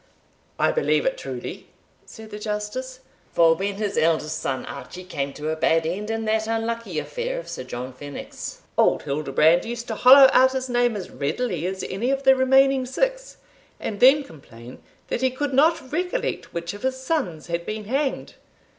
"I believe it truly," said the Justice; "for when his eldest son, Archie, came to a bad end, in that unlucky affair of Sir John Fenwick's, old Hildebrand used to hollo out his name as readily as any of the remaining six, and then complain that he could not recollect which of his sons had been hanged.